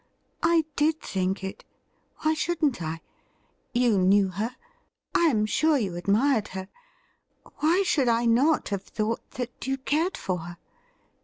« I did think it. Why shouldn't I ? You knew her ; I am sure you admired her. Why should I not have thought that you cared for her?